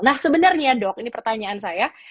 nah sebenarnya dok ini pertanyaan saya